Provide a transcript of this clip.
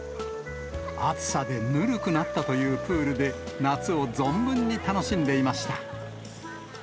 暑さでぬるくなったというプールで、夏を存分に楽しんでいました。